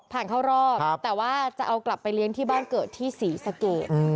เข้ารอบแต่ว่าจะเอากลับไปเลี้ยงที่บ้านเกิดที่ศรีสะเกด